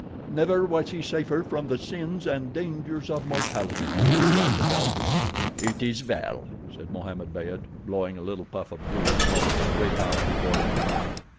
"Never was he safer from the sins and dangers of mortality," replied the Belgian. "It is well," said Mohammed Beyd, blowing a little puff of blue smoke straight out before him.